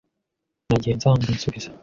Nagiye nsanzwe nsubiza